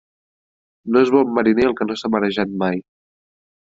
No és bon mariner el que no s'ha marejat mai.